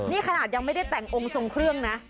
นี่ขนาดยังไม่ได้แต่งองค์ทรงเครื่องนะ